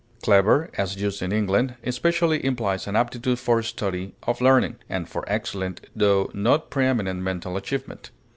Clever, as used in England, especially implies an aptitude for study or learning, and for excellent tho not preeminent mental achievement.